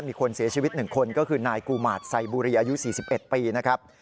มีคนเสียชีวิต๑คนก็คือนายกูมาตรไซบุรีอายุ๔๑ปีนะครับ